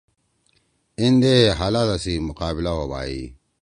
این دے حالادا سی مقابلہ ہوبھائی۔